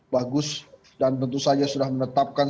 bagus dan tentu saja sudah menetapkan